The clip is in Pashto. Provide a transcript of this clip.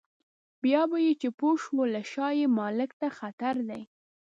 بیا به چې پوه شو له شا یې مالک ته خطر دی.